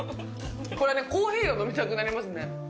これね、コーヒーが飲みたくなりますね。